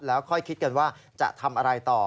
แล้วค่อยคิดกันว่าจะทำอะไรต่อ